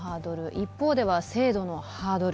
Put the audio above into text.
一方では制度のハードル